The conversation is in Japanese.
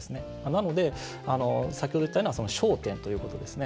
なので、先ほど言ったような焦点ということですね。